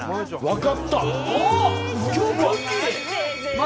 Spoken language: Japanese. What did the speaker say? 分かった。